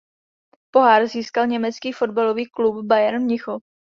Pohár získal německý fotbalový klub Bayern Mnichov.